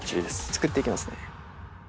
作っていきますね。